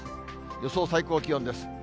予想最高気温です。